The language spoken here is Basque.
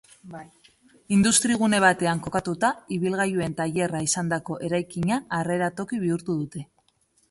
Industrigune batean kokatuta, ibilgailuen tailerra izandako eraikina, harrera toki bihurtu dute.